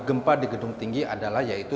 gempa di gedung tinggi adalah yaitu